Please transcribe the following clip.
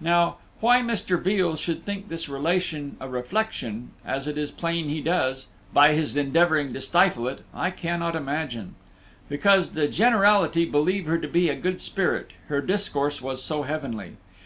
Now, why Mr. Veal should think this relation a reflection as it is plain he does, by his endeavoring to stifle it I cannot imagine; because the generality believe her to be a good spirit, her discourse was so heavenly.